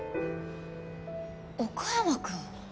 岡山君。